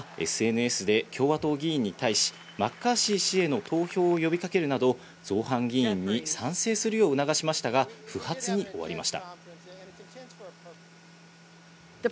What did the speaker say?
トランプ氏自身はＳＮＳで共和党議員に対し、マッカーシー氏への投票を呼びかけるなど造反議員に賛成するよう促しましたが、不発に終わりました。